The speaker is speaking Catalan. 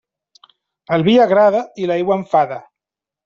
El vi agrada i l'aigua enfada.